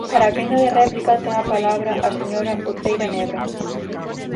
Para a quenda de réplica ten a palabra a señora Uceira Nebra.